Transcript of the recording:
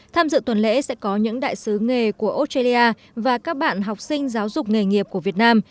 tham dự tuần lễ sẽ có những đại sứ nghề của australia và các bạn học sinh giáo dục nghề nghiệp của việt nam